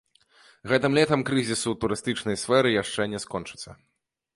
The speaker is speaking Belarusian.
Гэтым летам крызіс у турыстычнай сферы яшчэ не скончыцца.